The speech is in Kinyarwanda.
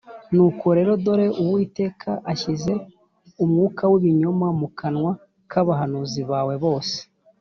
“Nuko rero, dore Uwiteka ashyize umwuka w’ibinyoma mu kanwa k’abahanuzi bawe bose